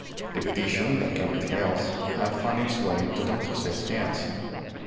The petition, like everything else, had found its way into Don Jose's hands.